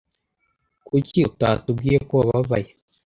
Kuki utatubwiye ko wababaye?